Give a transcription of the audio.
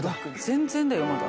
全然だよまだ。